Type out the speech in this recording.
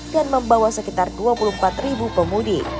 membawa sekitar dua puluh empat ribu pemudik